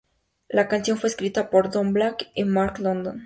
La canción fue escrita por Don Black y Mark London.